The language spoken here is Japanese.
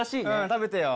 食べてよ。